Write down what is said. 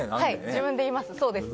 自分で言います。